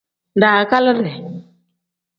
Daagaliide.